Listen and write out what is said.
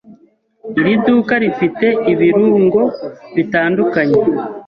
Iri duka rifite ibirungo bitandukanye.